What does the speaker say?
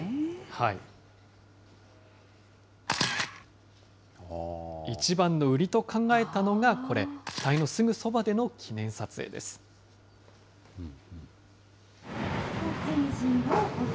いちばんの売りと考えたのがこれ、機体のすぐそばでの記念撮影です。